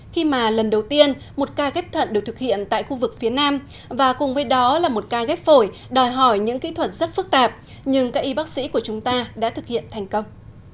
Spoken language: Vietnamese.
khi mà lần đầu tiên một ca ghép thận được thực hiện tại khu vực phía nam và cùng với đó là một ca ghép phổi đòi hỏi những kỹ thuật rất phức tạp nhưng các y bác sĩ của chúng ta đã thực hiện thành công